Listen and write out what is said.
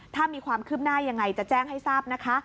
ถ้ามีความคืบหน้ายังไงจะแจ้งให้ทราบนะคะ